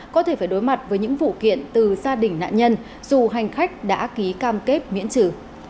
có thể phải đối mặt với những vụ kiện từ gia đình nạn nhân dù hành khách đã ký cam kết miễn trừ